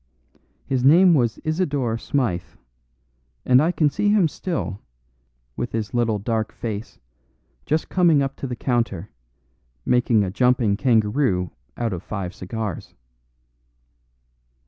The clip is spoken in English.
His name was Isidore Smythe; and I can see him still, with his little dark face, just coming up to the counter, making a jumping kangaroo out of five cigars.